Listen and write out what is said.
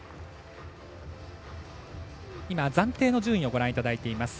今、暫定の順位をご覧いただいています。